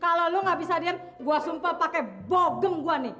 kalau lo gak bisa lihat gue sumpah pakai bogem gue nih